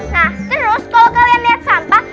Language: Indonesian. nah terus kalo kalian liat sampah